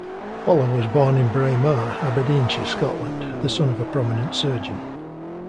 Waller was born in Braemar, Aberdeenshire Scotland, the son of a prominent surgeon.